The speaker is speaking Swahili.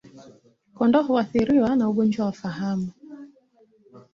Kondoo huathiriwa na ugonjwa wa fahamu